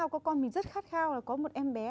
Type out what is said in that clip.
có con mình rất khát khao là có một em bé